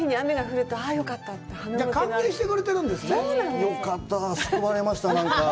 よかったぁ、救われました、なんか。